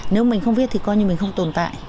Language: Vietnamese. nếu mình không biết thì coi như mình không tồn tại